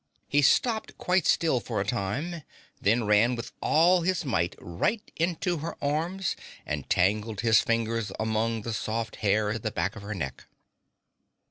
He stopped quite still for a time, then ran with all his might right into her arms and tangled his fingers among the soft hair at the back of her neck.